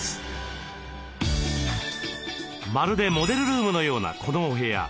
まるでモデルルームのようなこのお部屋。